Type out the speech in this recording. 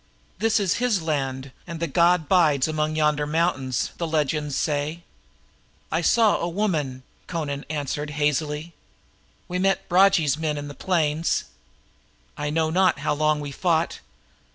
"This is his land and the god bides among yonder mountains, the legends say." "I followed a woman," Amra answered hazily. "We met Bragi's men in the plains. I know not how long we fought.